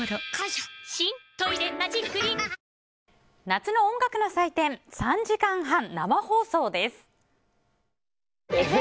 夏の音楽の祭典３時間半、生放送です。